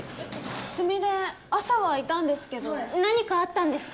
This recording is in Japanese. スミレ朝はいたんですけど何かあったんですか？